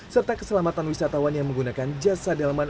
serta keselamatan wisatawan yang menggunakan jasa delman